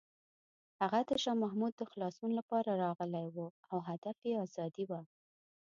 هغه د شاه محمود د خلاصون لپاره راغلی و او هدف یې ازادي وه.